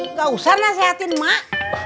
nggak usah nasehatin mak